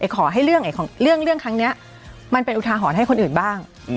ขอให้เรื่องครั้งนี้มันเป็นอุทาหรณ์ให้คนอื่นบ้าง